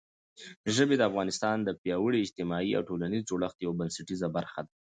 ژبې د افغانستان د پیاوړي اجتماعي او ټولنیز جوړښت یوه بنسټیزه برخه ده.